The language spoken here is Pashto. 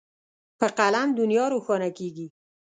په قلم دنیا روښانه کېږي.